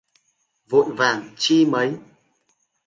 Vội vàng chi mấy